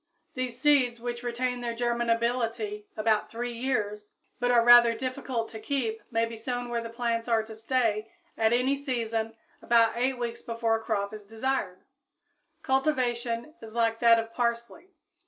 These seeds, which retain their germinability about three years, but are rather difficult to keep, may be sown where the plants are to stay, at any season, about eight weeks before a crop is desired; cultivation is like that of parsley.